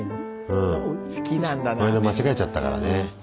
この間間違えちゃったからね。